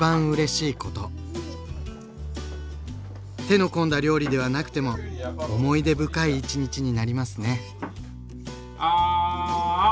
手の込んだ料理ではなくても思い出深い１日になりますね。